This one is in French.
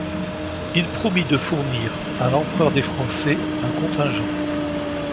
Il promit de fournir à l'empereur des Français un contingent.